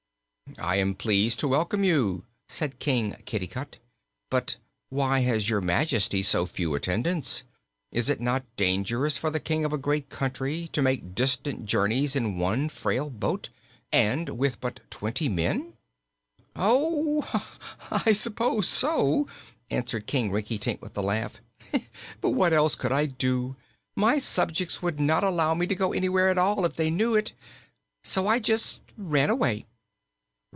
"I am pleased to welcome you," said King Kitticut. "But why has Your Majesty so few attendants? Is it not dangerous for the King of a great country to make distant journeys in one frail boat, and with but twenty men?" "Oh, I suppose so," answered King Rinkitink, with a laugh. "But what else could I do? My subjects would not allow me to go anywhere at all, if they knew it. So I just ran away."